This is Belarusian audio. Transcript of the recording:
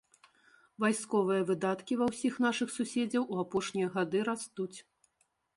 Вайсковыя выдаткі ва ўсіх нашых суседзяў у апошнія гады растуць.